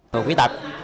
người khuyết tật